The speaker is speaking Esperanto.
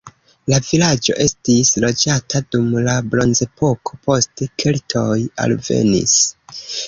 La vilaĝo estis loĝata dum la bronzepoko, poste keltoj alvenis.